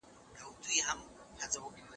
پټه صدقه د انسان مال پاکوي.